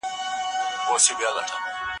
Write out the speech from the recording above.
وه اختر ته به خوشحال وو